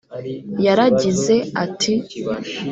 yaragize ati